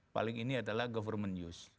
paling ini adalah government use